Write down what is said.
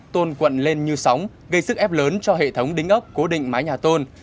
tôn quận lên như sóng gây sức ép lớn cho hệ thống đính ấp cố định mái nhà tôn